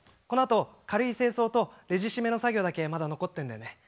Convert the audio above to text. このあと軽い清掃とレジ締めの作業だけまだ残ってんだよね。